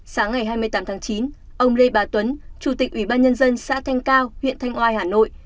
sáng ngày hai mươi tám tháng chín ông lê bà tuấn chủ tịch ủy ban nhân dân xã thanh cao huyện thanh oai hà nội